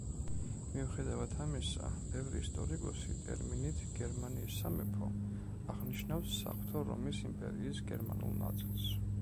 მიუხედავად ამისა, ბევრი ისტორიკოსი ტერმინით „გერმანიის სამეფო“ აღნიშნავს საღვთო რომის იმპერიის გერმანულ ნაწილს.